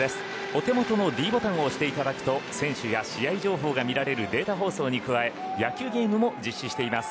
お手元のｄボタンを押していただくと選手や試合情報が見られるデータ情報に加え野球ゲームを実施しています。